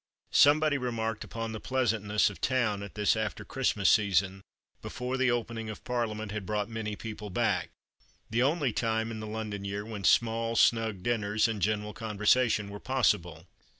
Somebody remarked upon the pleasantness of town at this after Christmas season, before the opening of Parliament had brought many people back, the only time in the London year when small snug dinners and general conversation were possible.